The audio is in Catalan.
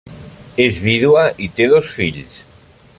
És vídua i té dos fills.